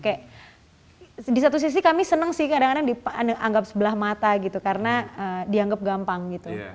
kayak di satu sisi kami senang sih kadang kadang dianggap sebelah mata gitu karena dianggap gampang gitu